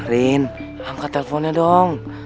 rin angkat telponnya dong